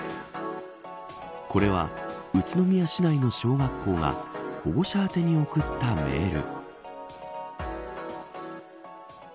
これは、宇都宮市内の小学校が保護者宛てに送ったメール。